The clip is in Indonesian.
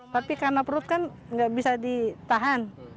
tapi karena perut kan nggak bisa ditahan